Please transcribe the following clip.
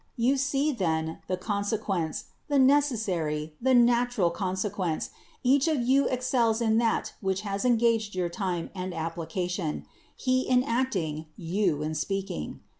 You see, then, the consequence, the necessary, the natural consequence, each of you excels in that which has engaged your time and application, he in acting, you in speaking.